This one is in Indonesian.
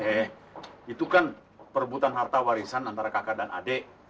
eh itu kan perebutan harta warisan antara kakak dan adik